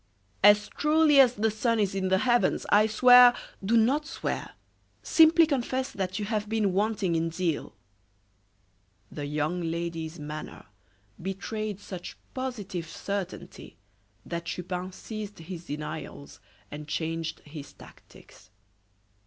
"As truly as the sun is in the heavens I swear " "Do not swear; simply confess that you have been wanting in zeal." The young lady's manner betrayed such positive certainty that Chupin ceased his denials and changed his tactics.